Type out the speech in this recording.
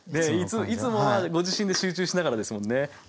いつもはご自身で集中しながらですもんね。